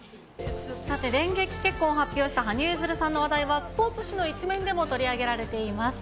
さて、電撃結婚を発表した羽生結弦さんの話題はスポーツ紙の１面でも取り上げられています。